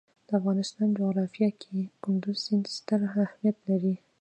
د افغانستان جغرافیه کې کندز سیند ستر اهمیت لري.